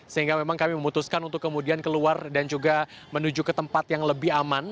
sehingga memang kami memutuskan untuk kemudian keluar dan juga menuju ke tempat yang lebih aman